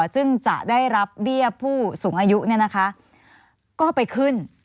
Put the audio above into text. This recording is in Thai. ซึ่งจะได้รับเบี้ยผู้สูงอายุก็ไปขึ้น